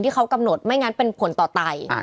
ที่เขากำหนดไม่งั้นเป็นผลต่อไต